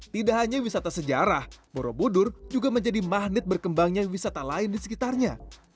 tidak hanya wisata sejarah borobudur juga menjadi magnet berkembangnya wisata lain di sekitarnya